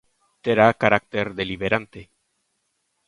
Terá carácter deliberante.